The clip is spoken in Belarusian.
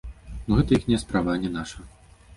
Ну гэта іхняя справа, а не наша!